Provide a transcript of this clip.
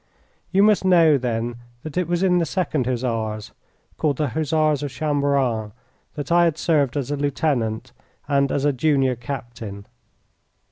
You must know, then, that it was in the Second Hussars called the Hussars of Chamberan that I had served as a lieutenant and as a junior captain.